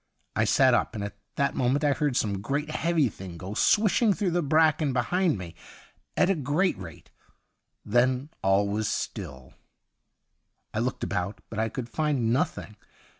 I sat up, and at that moment I heard some great, heavy thing go swishing through the bracken behind me at a great rate. Then all was still ; I looked about, but I could find nothing.